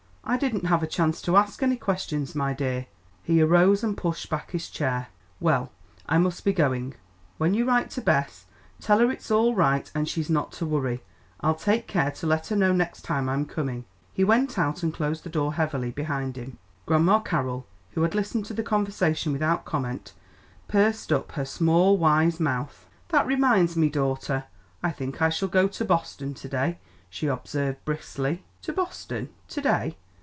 "I didn't have a chance to ask any questions, my dear." He arose and pushed back his chair. "Well, I must be going. When you write to Bess tell her it's all right, and she's not to worry. I'll take care to let her know next time I'm coming." He went out and closed the door heavily behind him. Grandma Carroll, who had listened to the conversation without comment, pursed up her small, wise mouth. "That reminds me, daughter, I think I shall go to Boston to day," she observed briskly. "To Boston to day?"